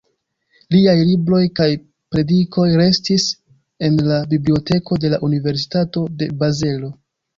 Liaj libroj kaj predikoj restis en la biblioteko de la Universitato de Bazelo.